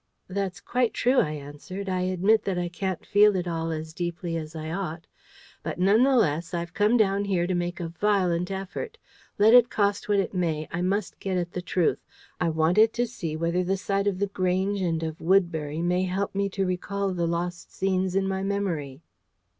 "That's quite true," I answered. "I admit that I can't feel it all as deeply as I ought. But none the less, I've come down here to make a violent effort. Let it cost what it may, I must get at the truth. I wanted to see whether the sight of The Grange and of Woodbury may help me to recall the lost scenes in my memory."